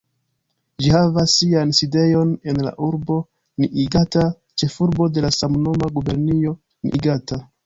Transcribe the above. Ĝi havas sian sidejon en la urbo Niigata, ĉefurbo de la samnoma gubernio Niigata.